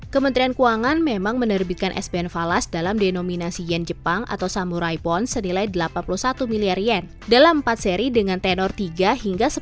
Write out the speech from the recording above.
kementerian keuangan memang menerbitkan s ben falas dalam denominasi yen jepang atau samurai bond senilai delapan puluh satu miliar yen dalam empat seri dengan tenor tiga hingga sepuluh tahun tertanggal sembilan juni dua ribu dua puluh dua